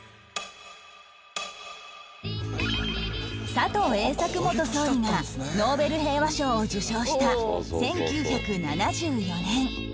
佐藤栄作元総理がノーベル平和賞を受賞した１９７４年